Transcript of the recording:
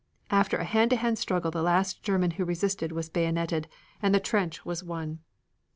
After a hand to hand struggle the last German who resisted was bayoneted, and the trench was won.